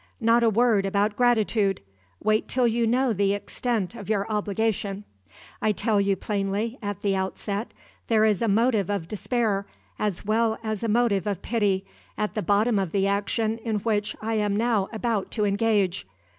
Not a word about gratitude! Wait till you know the extent of your obligation. I tell you plainly, at the outset, there is a motive of despair, as well as a motive of pity, at the bottom of the action in which I am now about to engage.